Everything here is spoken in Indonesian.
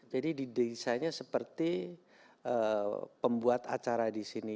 jadi didesainnya seperti pembuat acara disini